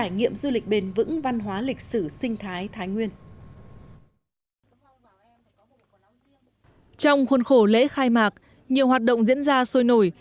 nhiều hoạt động diễn ra sôi nổi